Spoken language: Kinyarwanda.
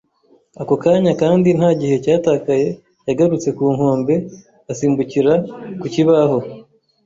ako kanya, kandi nta gihe cyatakaye yagarutse ku nkombe asimbukira ku kibaho